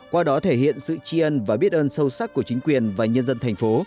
qua đó thể hiện sự tri ân và biết ơn sâu sắc của chính quyền và nhân dân thành phố